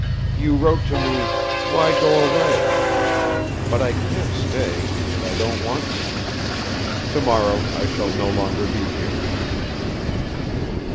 You wrote to me, 'Why go away?' But I can't stay and I don't want to. Tomorrow I shall no longer be here."